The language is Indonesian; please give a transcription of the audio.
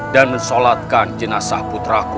dan mensolatkan jenazah putraku